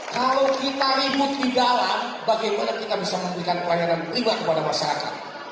kalau kita ribut di dalam bagaimana kita bisa memberikan pelayanan prima kepada masyarakat